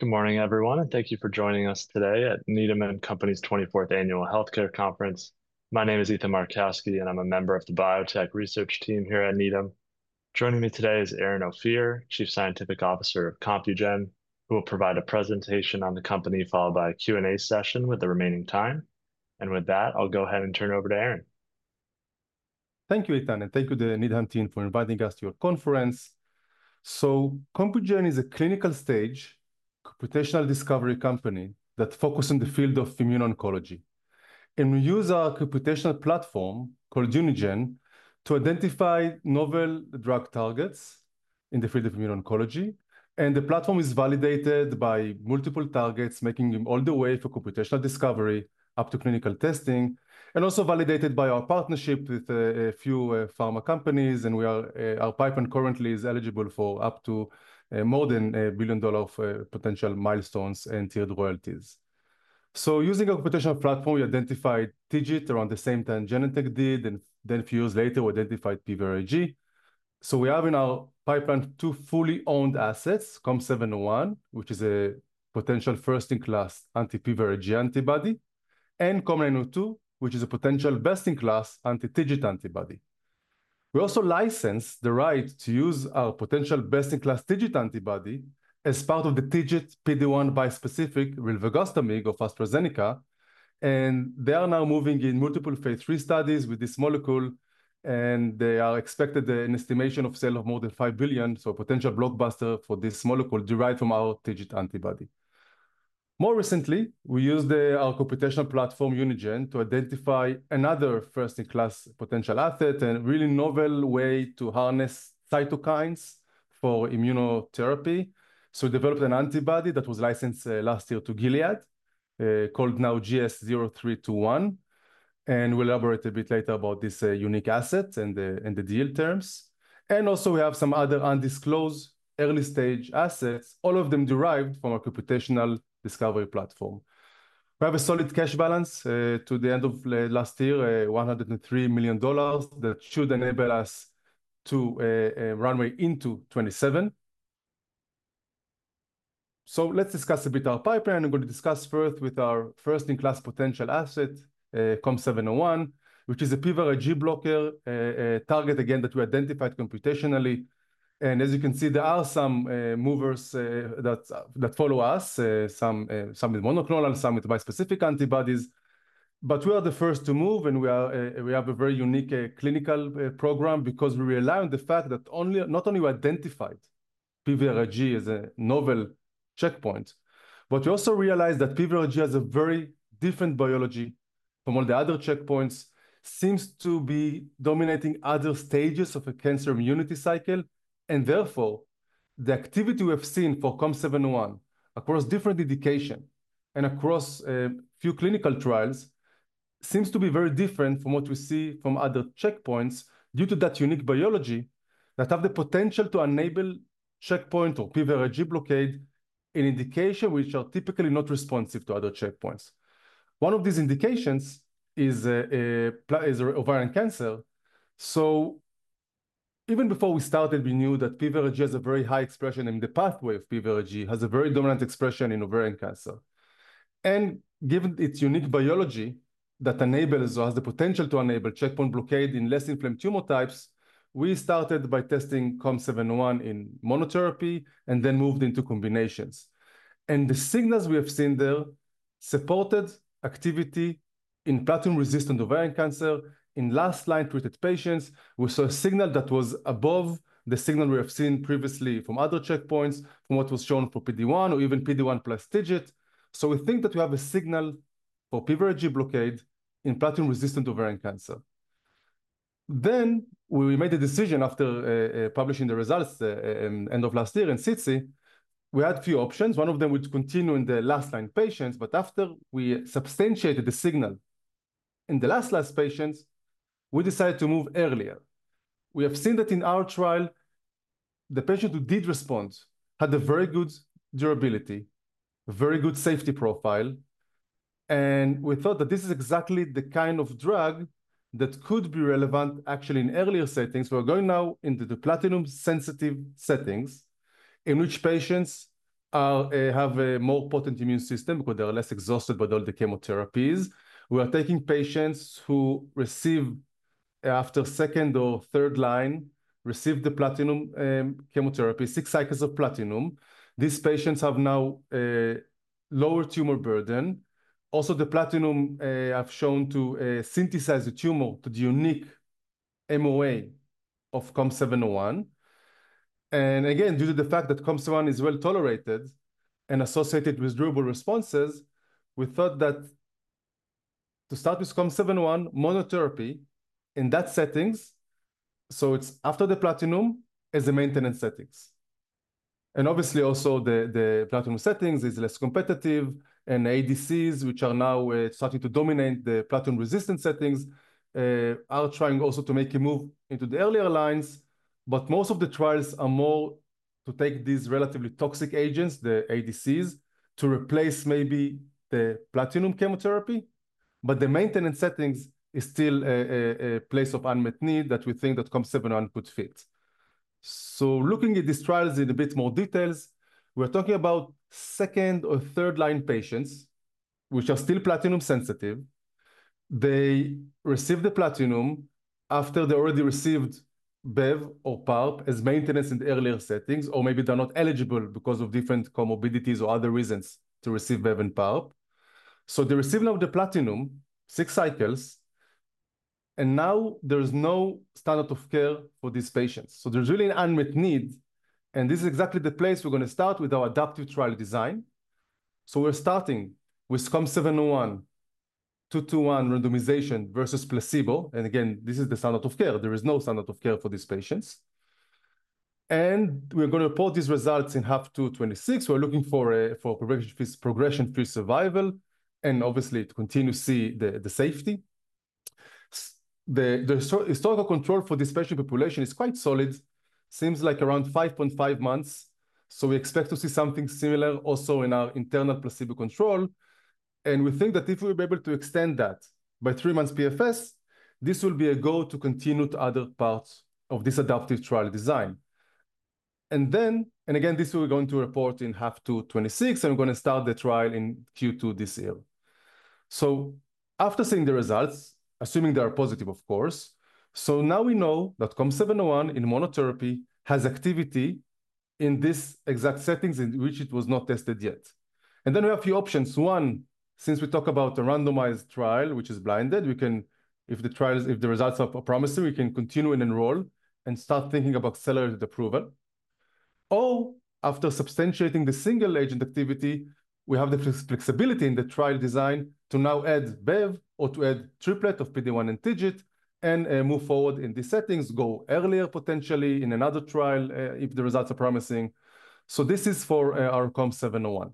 Good morning, everyone, and thank you for joining us today at Needham & Company's 24th Annual Healthcare Conference. My name is Ethan Markowski, and I'm a member of the biotech research team here at Needham. Joining me today is Eran Ophir, Chief Scientific Officer of Compugen, who will provide a presentation on the company, followed by a Q&A session with the remaining time. With that, I'll go ahead and turn it over to Eran. Thank you, Ethan, and thank you to the Needham team for inviting us to your conference. Compugen is a clinical stage computational discovery company that focuses on the field of immuno-oncology. We use our computational platform called Unigen to identify novel drug targets in the field of immuno-oncology. The platform is validated by multiple targets, making them all the way from computational discovery up to clinical testing, and also validated by our partnership with a few pharma companies. Our pipeline currently is eligible for up to more than $1 billion of potential milestones and tiered royalties. Using our computational platform, we identified TIGIT around the same time Genentech did, and then a few years later, we identified PVRIG. We have in our pipeline two fully owned assets: COM701, which is a potential first-in-class anti-PVRIG antibody, and COM902, which is a potential best-in-class anti-TIGIT antibody. We also licensed the right to use our potential best-in-class TIGIT antibody as part of the TIGIT PD-1 bispecific rilvegostomig with AstraZeneca. They are now moving in multiple Phase 3 studies with this molecule, and they are expected an estimation of sale of more than $5 billion. A potential blockbuster for this molecule derived from our TIGIT antibody. More recently, we used our computational platform, Unigen, to identify another first-in-class potential asset and a really novel way to harness cytokines for immunotherapy. We developed an antibody that was licensed last year to Gilead, called now GS-0321. We'll elaborate a bit later about this unique asset and the deal terms. We have some other undisclosed early-stage assets, all of them derived from our computational discovery platform. We have a solid cash balance to the end of last year, $103 million, that should enable us to runway into 2027. Let's discuss a bit our pipeline. I'm going to discuss first our first-in-class potential asset, COM701, which is a PVRIG blocker target, again, that we identified computationally. As you can see, there are some movers that follow us, some with monoclonal, some with bispecific antibodies. We are the first to move, and we have a very unique clinical program because we rely on the fact that not only we identified PVRIG as a novel checkpoint, but we also realized that PVRIG has a very different biology from all the other checkpoints, seems to be dominating other stages of a cancer immunity cycle. Therefore, the activity we have seen for COM701 across different indications and across a few clinical trials seems to be very different from what we see from other checkpoints due to that unique biology that has the potential to enable checkpoint or PVRIG blockade in indications which are typically not responsive to other checkpoints. One of these indications is ovarian cancer. Even before we started, we knew that PVRIG has a very high expression in the pathway of PVRIG, has a very dominant expression in ovarian cancer. Given its unique biology that enables or has the potential to enable checkpoint blockade in less inflamed tumor types, we started by testing COM701 in monotherapy and then moved into combinations. The signals we have seen there supported activity in platinum-resistant ovarian cancer in last-line treated patients. We saw a signal that was above the signal we have seen previously from other checkpoints, from what was shown for PD-1 or even PD-1 plus TIGIT. We think that we have a signal for PVRIG blockade in platinum-resistant ovarian cancer. We made a decision after publishing the results at the end of last year in SITC. We had a few options. One of them would continue in the last-line patients. After we substantiated the signal in the last-line patients, we decided to move earlier. We have seen that in our trial, the patient who did respond had a very good durability, very good safety profile. We thought that this is exactly the kind of drug that could be relevant, actually, in earlier settings. We're going now into the platinum-sensitive settings, in which patients have a more potent immune system because they are less exhausted by all the chemotherapies. We are taking patients who receive, after second or third line, received the platinum chemotherapy, six cycles of platinum. These patients have now lower tumor burden. Also, the platinum have shown to sensitize the tumor to the unique MOA of COM701. Again, due to the fact that COM701 is well tolerated and associated with durable responses, we thought that to start with COM701 monotherapy in that settings, so it's after the platinum as the maintenance settings. Obviously, also, the platinum settings is less competitive. ADCs, which are now starting to dominate the platinum-resistant settings, are trying also to make a move into the earlier lines. Most of the trials are more to take these relatively toxic agents, the ADCs, to replace maybe the platinum chemotherapy. The maintenance settings is still a place of unmet need that we think that COM701 could fit. Looking at these trials in a bit more details, we're talking about second or third-line patients, which are still platinum-sensitive. They receive the platinum after they already received BEV or PARP as maintenance in earlier settings, or maybe they're not eligible because of different comorbidities or other reasons to receive BEV and PARP. They receive now the platinum, six cycles. Now there's no standard of care for these patients. There's really an unmet need. This is exactly the place we're going to start with our adaptive trial design. We're starting with COM701, 2:1 randomization versus placebo. Again, this is the standard of care. There is no standard of care for these patients. We're going to report these results in H2 2026. We're looking for progression-free survival and obviously to continue to see the safety. The historical control for this patient population is quite solid. Seems like around 5.5 months. We expect to see something similar also in our internal placebo control. We think that if we'll be able to extend that by three months PFS, this will be a go to continue to other parts of this adaptive trial design. Again, this we're going to report in H2 2026, and we're going to start the trial in Q2 this year. After seeing the results, assuming they are positive, of course, now we know that COM701 in monotherapy has activity in these exact settings in which it was not tested yet. We have a few options. One, since we talk about a randomized trial, which is blinded, we can, if the results are promising, we can continue and enroll and start thinking about accelerated approval. After substantiating the single agent activity, we have the flexibility in the trial design to now add BEV or to add triplet of PD-1 and TIGIT and move forward in these settings, go earlier potentially in another trial if the results are promising. This is for our COM701.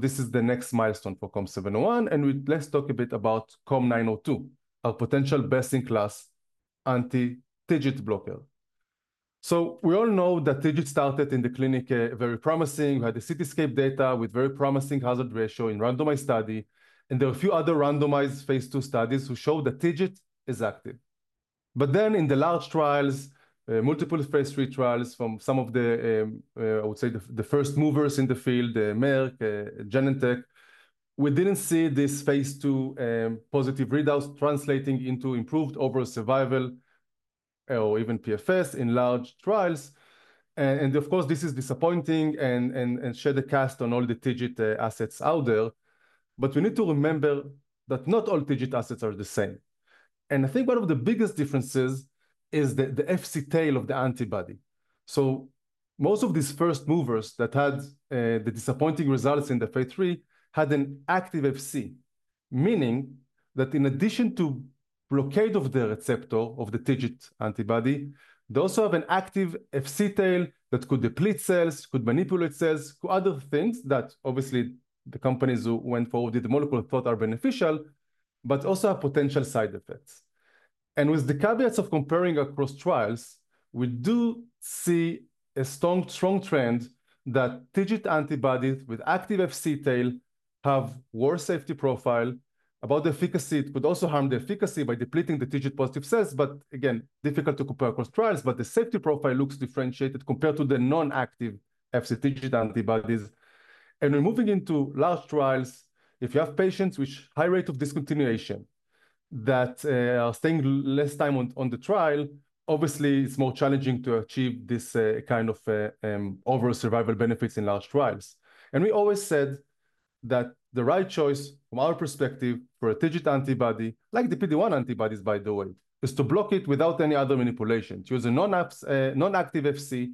This is the next milestone for COM701. Let's talk a bit about COM902, our potential best-in-class anti-TIGIT blocker. We all know that TIGIT started in the clinic very promising. We had the CT-SCAPE data with very promising hazard ratio in randomized study. There are a few other randomized phase two studies who show that TIGIT is active. Then in the large trials, multiple phase three trials from some of the, I would say, the first movers in the field, Merck, Genentech, we did not see these Phase 2 positive readouts translating into improved overall survival or even PFS in large trials. Of course, this is disappointing and shed a cast on all the TIGIT assets out there. We need to remember that not all TIGIT assets are the same. I think one of the biggest differences is the FC tail of the antibody. Most of these first movers that had the disappointing results in the phase three had an active FC, meaning that in addition to blockade of the receptor of the TIGIT antibody, they also have an active FC tail that could deplete cells, could manipulate cells, could do other things that obviously the companies who went forward with the molecule thought are beneficial, but also have potential side effects. With the caveats of comparing across trials, we do see a strong trend that TIGIT antibodies with active FC tail have a worse safety profile. About the efficacy, it could also harm the efficacy by depleting the TIGIT positive cells. Again, difficult to compare across trials. The safety profile looks differentiated compared to the non-active FC TIGIT antibodies. We're moving into large trials. If you have patients with high rate of discontinuation that are staying less time on the trial, obviously, it's more challenging to achieve this kind of overall survival benefits in large trials. We always said that the right choice, from our perspective, for a TIGIT antibody, like the PD-1 antibodies, by the way, is to block it without any other manipulation, to use a non-active FC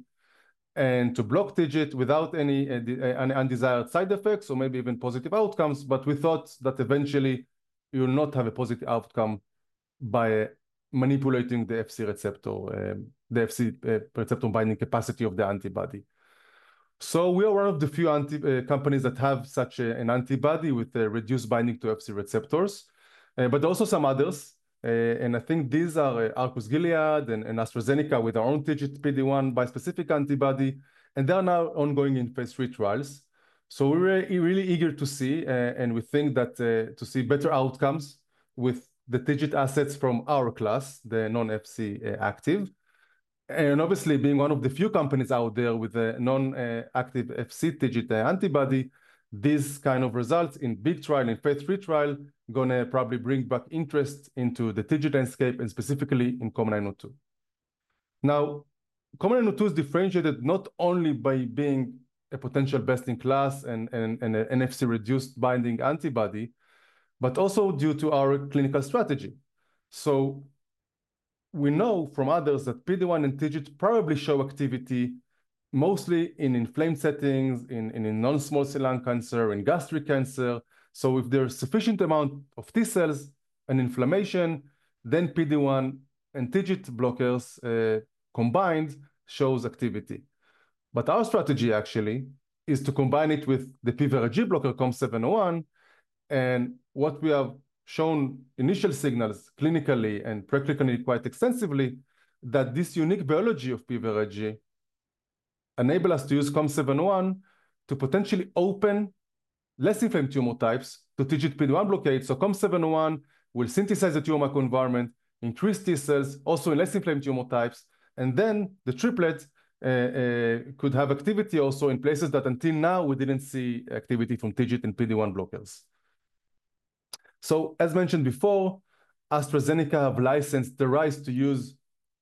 and to block TIGIT without any undesired side effects or maybe even positive outcomes. We thought that eventually, you will not have a positive outcome by manipulating the FC receptor, the FC receptor binding capacity of the antibody. We are one of the few companies that have such an antibody with reduced binding to FC receptors, but also some others. I think these are Arcus-Gilead and AstraZeneca with our own TIGIT PD-1 bispecific antibody. They are now ongoing in Phase 3 trials. We are really eager to see, and we think that to see better outcomes with the TIGIT assets from our class, the non-FC active. Obviously, being one of the few companies out there with a non-active FC TIGIT antibody, these kind of results in big trial and Phase 3 trial are going to probably bring back interest into the TIGIT landscape and specifically in COM902. Now, COM902 is differentiated not only by being a potential best-in-class and an FC reduced binding antibody, but also due to our clinical strategy. We know from others that PD-1 and TIGIT probably show activity mostly in inflamed settings, in non-small cell lung cancer, in gastric cancer. If there is sufficient amount of T cells and inflammation, then PD1 and TIGIT blockers combined show activity. Our strategy, actually, is to combine it with the PVRIG blocker COM701. What we have shown, initial signals clinically and practically quite extensively, is that this unique biology of PVRIG enables us to use COM701 to potentially open less inflamed tumor types to TIGIT PD-1 blockade. COM701 will sensitize the tumor environment, increase T cells, also in less inflamed tumor types. The triplet could have activity also in places that until now we didn't see activity from TIGIT and PD-1 blockers. As mentioned before, AstraZeneca have licensed the rights to use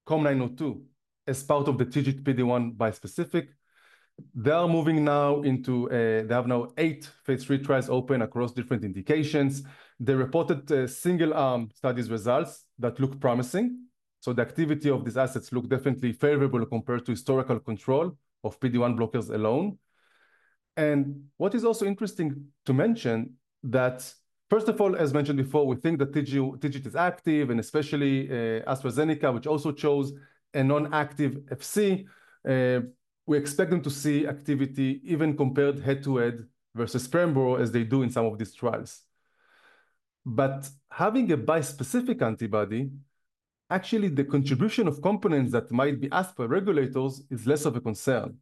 COM902 as part of the TIGIT PD-1 bispecific. They are moving now into—they have now eight Phase 3 trials open across different indications. They reported single-arm studies results that look promising. The activity of these assets looks definitely favorable compared to historical control of PD-1 blockers alone. What is also interesting to mention is that, first of all, as mentioned before, we think that TIGIT is active, and especially AstraZeneca, which also chose a non-active FC. We expect them to see activity even compared head-to-head versus Pembrolizumab as they do in some of these trials. Having a bispecific antibody, actually, the contribution of components that might be asked by regulators is less of a concern.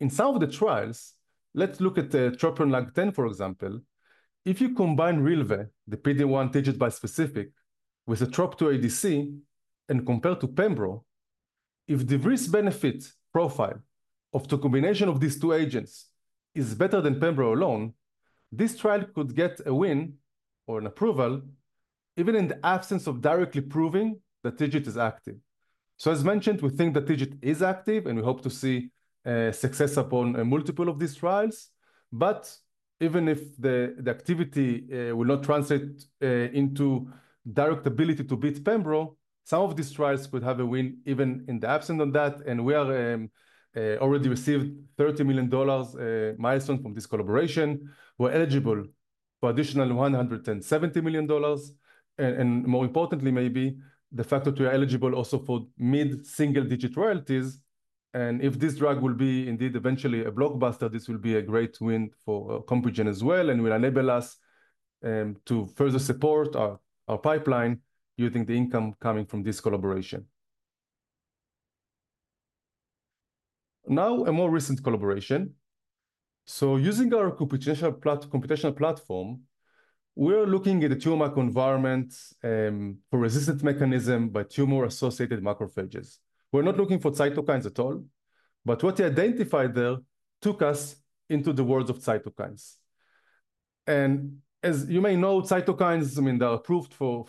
In some of the trials, let's look at TROPION-Lung10, for example. If you combine Rilvegostomig, the PD-1 TIGIT bispecific, with a TROP2 antibody-drug conjugate and compare to Pembrolizumab, if the risk-benefit profile of the combination of these two agents is better than Pembrolizumab alone, this trial could get a win or an approval even in the absence of directly proving that TIGIT is active. As mentioned, we think that TIGIT is active, and we hope to see success upon multiple of these trials. Even if the activity will not translate into direct ability to beat Pembrolizumab, some of these trials could have a win even in the absence of that. We have already received $30 million milestone from this collaboration. We're eligible for additional $170 million. More importantly, maybe the fact that we are eligible also for mid-single-digit royalties. If this drug will be indeed eventually a blockbuster, this will be a great win for Compugen as well and will enable us to further support our pipeline using the income coming from this collaboration. Now, a more recent collaboration. Using our computational platform, we're looking at the tumor environment for resistance mechanism by tumor-associated macrophages. We're not looking for cytokines at all. What we identified there took us into the world of cytokines. As you may know, cytokines, I mean, they're approved for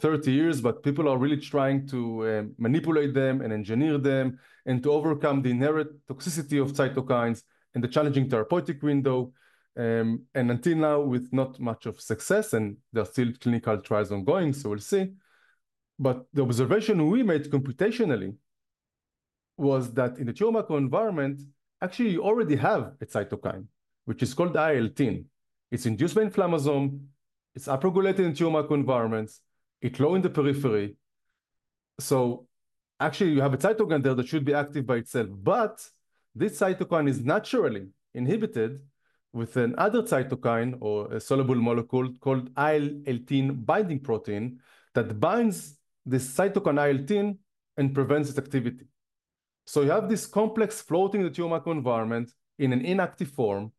30 years, but people are really trying to manipulate them and engineer them and to overcome the inherent toxicity of cytokines and the challenging therapeutic window. Until now, with not much of success, and there are still clinical trials ongoing, so we'll see. The observation we made computationally was that in the tumor environment, actually, you already have a cytokine, which is called IL-10. It's induced by inflammasome. It's upregulated in tumor environments. It's low in the periphery. Actually, you have a cytokine there that should be active by itself. This cytokine is naturally inhibited with another cytokine or a soluble molecule called IL-18 binding protein that binds this cytokine IL-10 and prevents its activity. You have this complex floating in the tumor environment in an inactive form.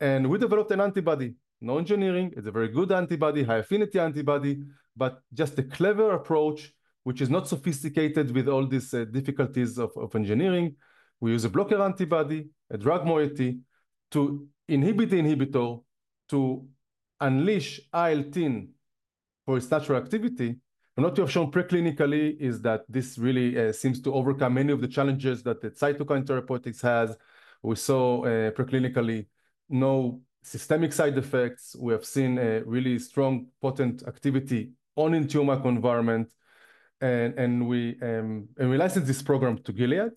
We developed an antibody non-engineering. It's a very good antibody, high affinity antibody, but just a clever approach, which is not sophisticated with all these difficulties of engineering. We use a blocker antibody, a drug moiety, to inhibit the inhibitor to unleash IL-10 for its natural activity. What we have shown preclinically is that this really seems to overcome many of the challenges that the cytokine therapeutics has. We saw preclinically no systemic side effects. We have seen a really strong, potent activity only in the tumor environment. We licensed this program to Gilead.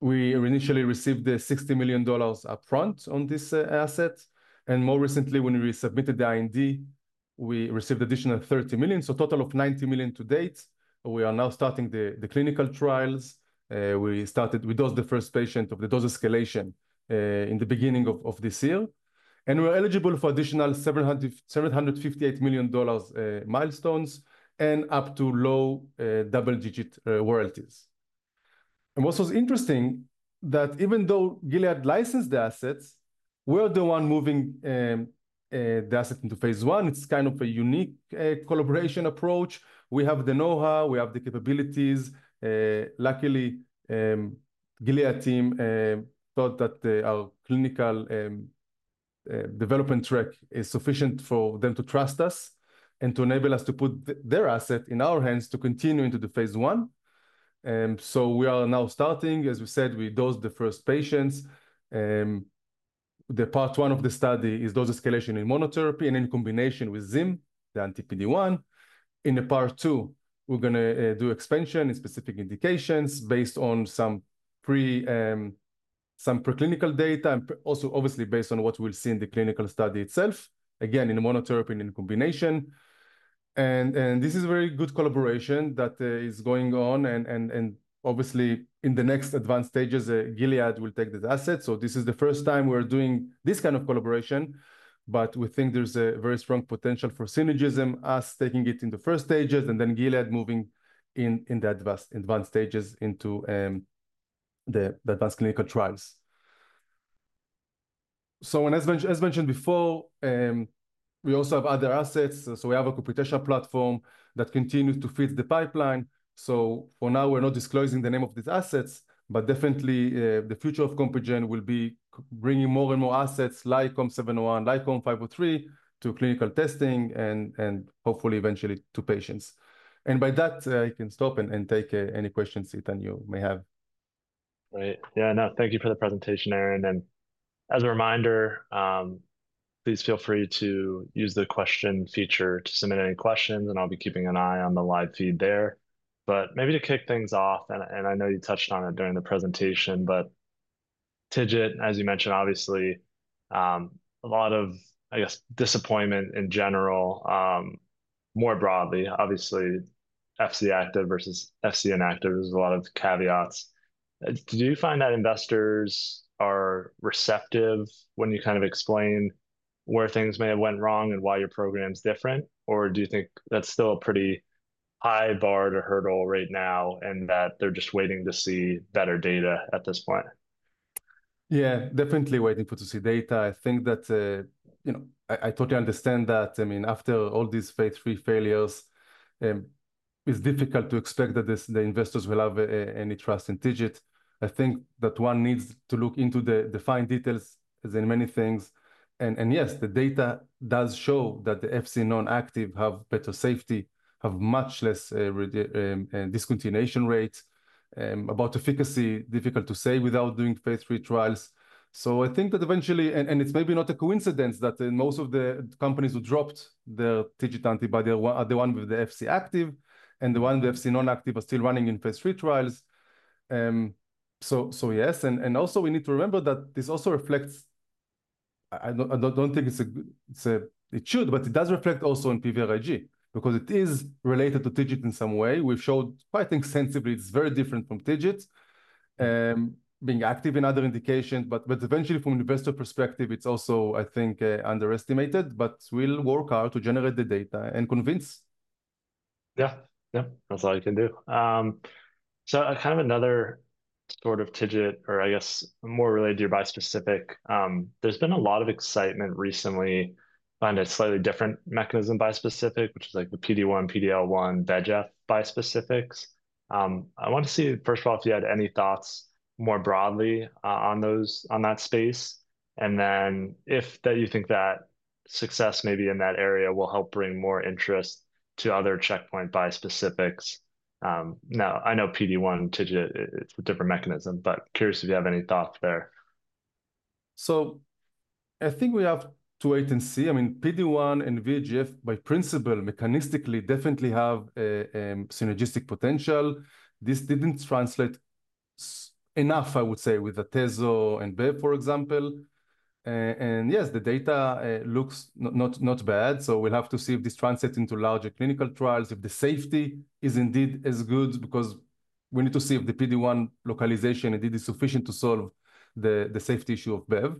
We initially received $60 million upfront on this asset. More recently, when we submitted the IND, we received additional $30 million. A total of $90 million to date. We are now starting the clinical trials. We started with those the first patient of the dose escalation in the beginning of this year. We are eligible for additional $758 million milestones and up to low double-digit royalties. What's also interesting is that even though Gilead licensed the assets, we're the ones moving the asset into phase one. It's kind of a unique collaboration approach. We have the know-how. We have the capabilities. Luckily, Gilead team thought that our clinical development track is sufficient for them to trust us and to enable us to put their asset in our hands to continue into the Phase 1. We are now starting. As we said, we dosed the first patients. The part one of the study is dose escalation in monotherapy and in combination with ZIM, the anti-PD-1. In the part two, we're going to do expansion and specific indications based on some preclinical data and also, obviously, based on what we'll see in the clinical study itself, again, in monotherapy and in combination. This is a very good collaboration that is going on. Obviously, in the next advanced stages, Gilead will take this asset. This is the first time we're doing this kind of collaboration. We think there's a very strong potential for synergism, us taking it in the first stages and then Gilead moving in the advanced stages into the advanced clinical trials. As mentioned before, we also have other assets. We have a computational platform that continues to feed the pipeline. For now, we're not disclosing the name of these assets, but definitely, the future of Compugen will be bringing more and more assets like COM701, like COM503 to clinical testing and hopefully eventually to patients. By that, I can stop and take any questions Ethan you may have. Great. Yeah, no, thank you for the presentation, Eran. As a reminder, please feel free to use the question feature to submit any questions. I'll be keeping an eye on the live feed there. Maybe to kick things off, and I know you touched on it during the presentation, but TIGIT, as you mentioned, obviously, a lot of, I guess, disappointment in general, more broadly, obviously, FC active versus FC inactive is a lot of caveats. Do you find that investors are receptive when you kind of explain where things may have went wrong and why your program's different? Or do you think that's still a pretty high bar to hurdle right now and that they're just waiting to see better data at this point? Yeah, definitely waiting to see data. I think that I totally understand that. I mean, after all these phase three failures, it's difficult to expect that the investors will have any trust in TIGIT. I think that one needs to look into the fine details as in many things. Yes, the data does show that the FC non-active have better safety, have much less discontinuation rates. About efficacy, difficult to say without doing Phase 3 trials. I think that eventually, and it's maybe not a coincidence that most of the companies who dropped their TIGIT antibody are the ones with the FC active and the ones with the FC non-active are still running in Phase 3 trials. Yes. Also, we need to remember that this also reflects—I don't think it should, but it does reflect also in PVRIG because it is related to TIGIT in some way. We've showed quite extensively it's very different from TIGIT, being active in other indications. Eventually, from an investor perspective, it's also, I think, underestimated. We'll work hard to generate the data and convince. Yeah, yeah, that's all you can do. Kind of another sort of TIGIT, or I guess more related to your bispecific, there's been a lot of excitement recently behind a slightly different mechanism bispecific, which is like the PD-1, PD-L1, VEGF bi-specifics. I want to see, first of all, if you had any thoughts more broadly on that space. And then if you think that success maybe in that area will help bring more interest to other checkpoint bispecifics. Now, I know PD-1, TIGIT, it's a different mechanism, but curious if you have any thoughts there. I think we have to wait and see. I mean, PD-1 and VEGF, by principle, mechanistically definitely have synergistic potential. This didn't translate enough, I would say, with Atezo and BEV, for example. Yes, the data looks not bad. We'll have to see if this translates into larger clinical trials, if the safety is indeed as good, because we need to see if the PD-1 localization indeed is sufficient to solve the safety issue of BEV.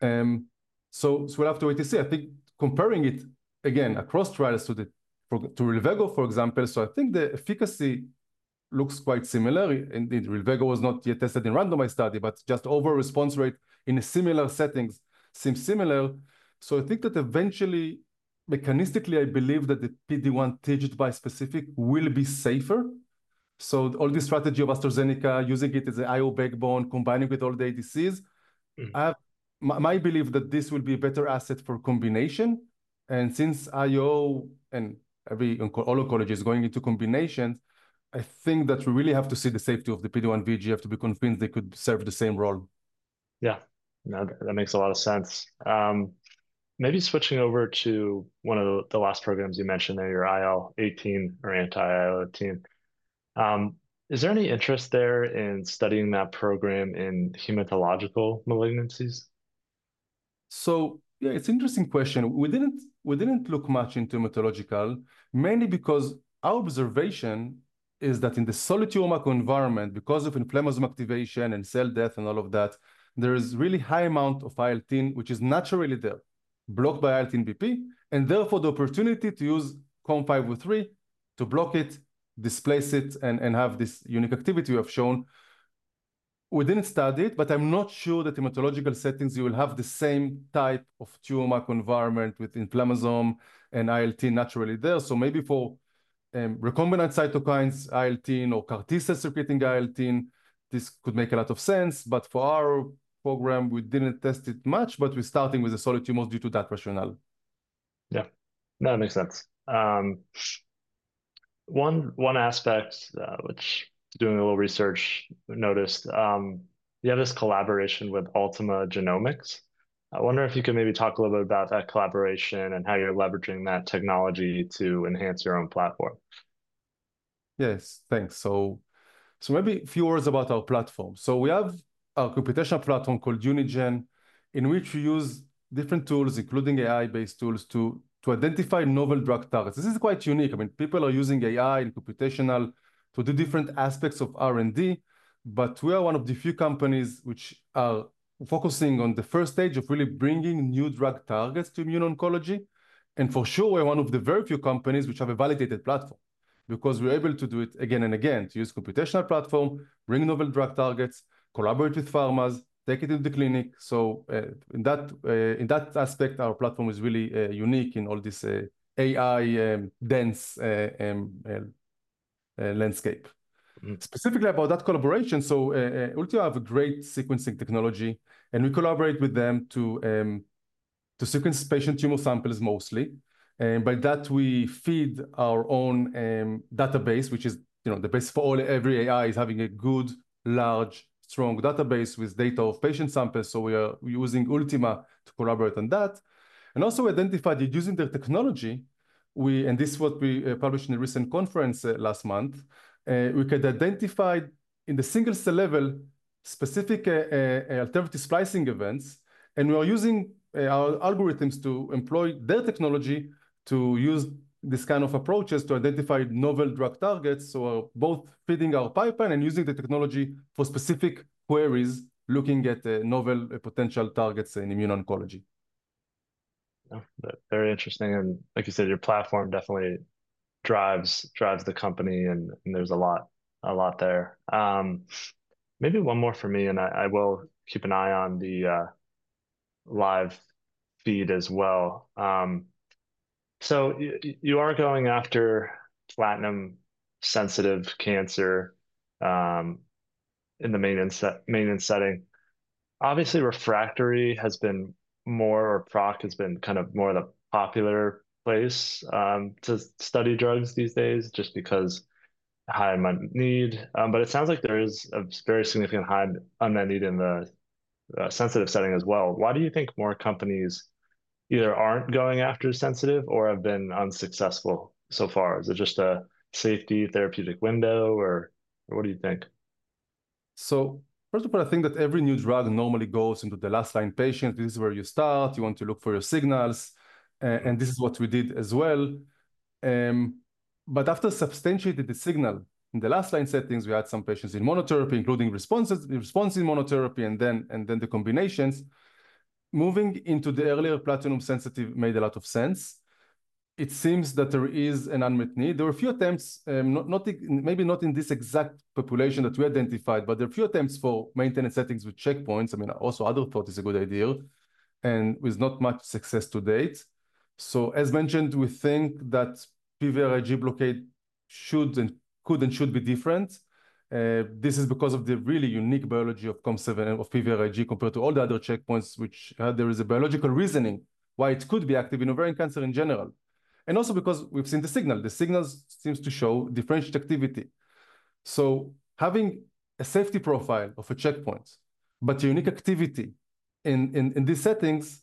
We'll have to wait and see. I think comparing it again across trials to rilvegostomig, for example, I think the efficacy looks quite similar. Indeed, rilvegostomig was not yet tested in randomized study, but just overall response rate in similar settings seems similar. I think that eventually, mechanistically, I believe that the PD-1 TIGIT bi-specific will be safer. All this strategy of AstraZeneca, using it as an IO backbone, combining with all the ADCs, I believe that this will be a better asset for combination. Since IO and all oncologies are going into combinations, I think that we really have to see the safety of the PD-1 VEGF to be convinced they could serve the same role. Yeah, no, that makes a lot of sense. Maybe switching over to one of the last programs you mentioned there, your IL-18 or anti-IL-18. Is there any interest there in studying that program in hematological malignancies? Yeah, it's an interesting question. We didn't look much into hematological, mainly because our observation is that in the solid tumor environment, because of inflammasome activation and cell death and all of that, there is a really high amount of IL-10, which is naturally there, blocked by IL-10BP. Therefore, the opportunity to use COM503 to block it, displace it, and have this unique activity we have shown, we didn't study it. But I'm not sure that in hematological settings, you will have the same type of tumor environment with inflammasome and IL-10 naturally there. Maybe for recombinant cytokines, IL-10 or CAR T cell secreting IL-10, this could make a lot of sense. For our program, we didn't test it much, but we're starting with the solid tumors due to that rationale. Yeah, no, that makes sense. One aspect which doing a little research noticed, you have this collaboration with Ultima Genomics. I wonder if you could maybe talk a little bit about that collaboration and how you're leveraging that technology to enhance your own platform. Yes, thanks. Maybe a few words about our platform. We have a computational platform called Unigen, in which we use different tools, including AI-based tools, to identify novel drug targets. This is quite unique. I mean, people are using AI and computational to do different aspects of R&D. But we are one of the few companies which are focusing on the first stage of really bringing new drug targets to immune oncology. And for sure, we're one of the very few companies which have a validated platform because we're able to do it again and again, to use a computational platform, bring novel drug targets, collaborate with pharmas, take it into the clinic. So in that aspect, our platform is really unique in all this AI-dense landscape. Specifically about that collaboration, Ultima Genomics have a great sequencing technology. And we collaborate with them to sequence patient tumor samples mostly. And by that, we feed our own database, which is the base for every AI is having a good, large, strong database with data of patient samples. We are using Ultima to collaborate on that. Also, we identified that using their technology, and this is what we published in a recent conference last month, we could identify at the single-cell level specific alternative splicing events. We are using our algorithms to employ their technology to use these kinds of approaches to identify novel drug targets. We are both feeding our pipeline and using the technology for specific queries, looking at novel potential targets in immune oncology. Very interesting. Like you said, your platform definitely drives the company. There is a lot there. Maybe one more for me, and I will keep an eye on the live feed as well. You are going after platinum-sensitive cancer in the maintenance setting. Obviously, refractory has been more or PROC has been kind of more of the popular place to study drugs these days just because high unmet need. It sounds like there is a very significant high unmet need in the sensitive setting as well. Why do you think more companies either aren't going after sensitive or have been unsuccessful so far? Is it just a safety therapeutic window, or what do you think? First of all, I think that every new drug normally goes into the last-line patient. This is where you start. You want to look for your signals. This is what we did as well. After substantiating the signal in the last-line settings, we had some patients in monotherapy, including responses in monotherapy and then the combinations. Moving into the earlier platinum-sensitive made a lot of sense. It seems that there is an unmet need. There were a few attempts, maybe not in this exact population that we identified, but there are a few attempts for maintenance settings with checkpoints. I mean, also other thought is a good idea and with not much success to date. As mentioned, we think that PVRIG blockade should and could and should be different. This is because of the really unique biology of PVRIG compared to all the other checkpoints, which there is a biological reasoning why it could be active in ovarian cancer in general. Also because we've seen the signal. The signal seems to show differentiated activity. Having a safety profile of a checkpoint, but your unique activity in these settings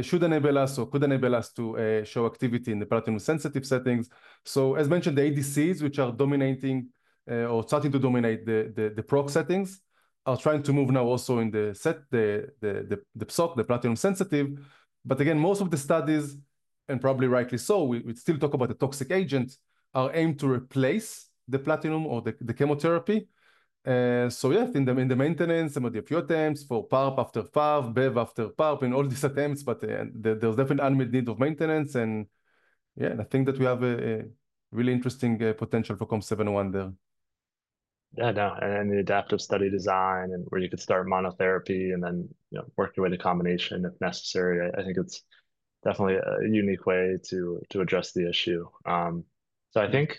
should enable us or could enable us to show activity in the platinum-sensitive settings. As mentioned, the ADCs, which are dominating or starting to dominate the PROC settings, are trying to move now also in the PSOC, the platinum-sensitive. Again, most of the studies, and probably rightly so, we still talk about the toxic agents, are aimed to replace the platinum or the chemotherapy. Yeah, in the maintenance, some of the PUA attempts for PARP after PARP, BEV after PARP, and all these attempts, but there's definitely an unmet need of maintenance. I think that we have a really interesting potential for COM701 there. No, and the adaptive study design and where you could start monotherapy and then work your way to combination if necessary. I think it's definitely a unique way to address the issue. I think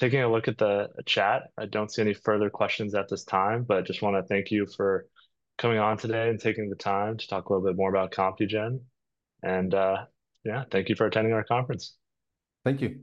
taking a look at the chat, I don't see any further questions at this time, but I just want to thank you for coming on today and taking the time to talk a little bit more about Compugen. And yeah, thank you for attending our conference. Thank you.